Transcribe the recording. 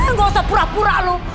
nggak usah pura pura lu